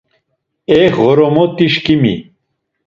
E Ğormotişǩimi!